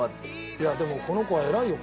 いやでもこの子は偉いよ